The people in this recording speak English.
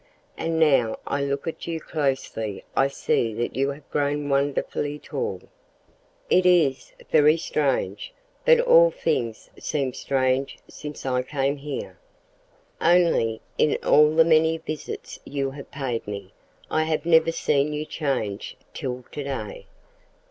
And now I look at you closely I see that you have grown wonderfully tall. It is very strange but all things seem strange since I came here. Only, in all the many visits you have paid me, I have never seen you changed till to day.